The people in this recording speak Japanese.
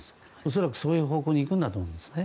恐らく、その方向にいくんだと思います。